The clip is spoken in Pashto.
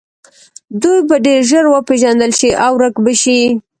دوی به ډیر ژر وپیژندل شي او ورک به شي